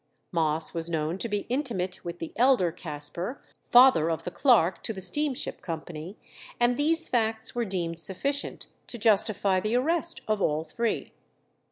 Moss was known to be intimate with the elder Caspar, father of the clerk to the steam ship company, and these facts were deemed sufficient to justify the arrest of all three.